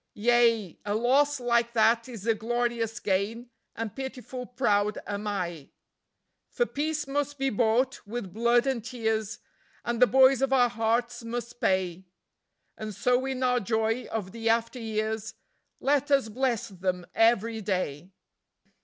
Yea, a loss like that is a glorious gain, and pitiful proud am I. For Peace must be bought with blood and tears, and the boys of our hearts must pay; And so in our joy of the after years, let us bless them every day.